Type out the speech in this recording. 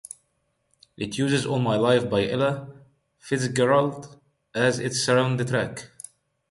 It uses "All My Life" by Ella Fitzgerald as its soundtrack.